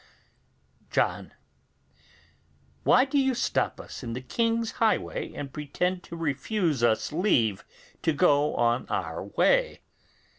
John. Why do you stop us on the king's highway, and pretend to refuse us leave to go on our way?